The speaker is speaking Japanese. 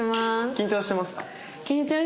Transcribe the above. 緊張します。